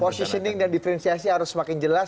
positioning dan diferensiasi harus semakin jelas